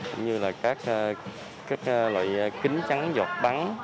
cũng như là các loại kính trắng giọt bắn